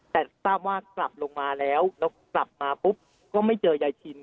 แต่ทราบว่ากลับลงมาแล้วแล้วกลับมาปุ๊บก็ไม่เจอยายชิน